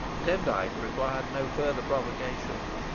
Demdike required no further provocation.